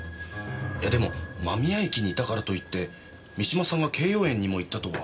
いやでも間宮駅にいたからといって三島さんが敬葉園にも行ったとは限らないんじゃ。